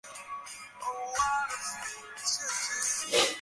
তিনি রাজধানীতে সচ্ছলভাবে বসবাস করতে সক্ষম হন এবং জ্ঞানসাধনায় আত্মনিয়োগ করেন।